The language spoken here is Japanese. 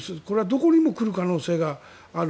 どこにも来る可能性がある。